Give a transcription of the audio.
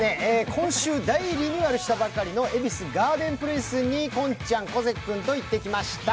今週大リニューアルしたばかりの恵比寿ガーデンプレイスと近ちゃん、小関君と行ってきました。